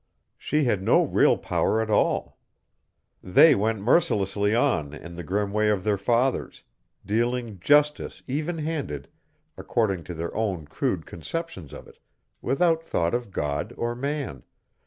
She had no real power at all. They went mercilessly on in the grim way of their fathers, dealing justice even handed according to their own crude conceptions of it, without thought of God or man.